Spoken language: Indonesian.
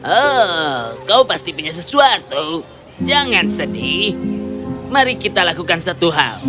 oh kau pasti punya sesuatu jangan sedih mari kita lakukan satu hal